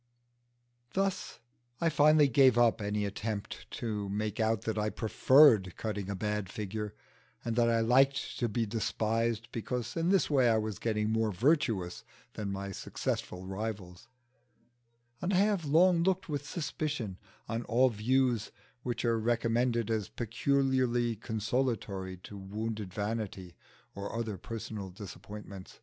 Thus I finally gave up any attempt to make out that I preferred cutting a bad figure, and that I liked to be despised, because in this way I was getting more virtuous than my successful rivals; and I have long looked with suspicion on all views which are recommended as peculiarly consolatory to wounded vanity or other personal disappointment.